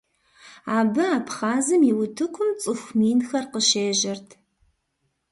Абы Абхъазым и утыкум цӏыху минхэр къыщежьэрт.